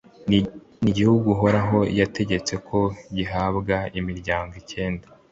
ni igihugu uhoraho yategetse ko gihabwa imiryango icyenda